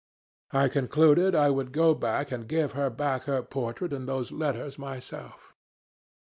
I concluded I would go and give her back her portrait and those letters myself.